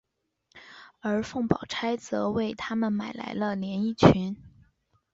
而凤宝钗则为他买来了连衣裙。